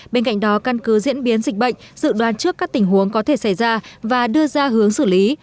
bên cạnh đó căn cứ diễn biến dịch bệnh dự đoán trước các tình huống có thể xảy ra và đưa ra hướng xử lý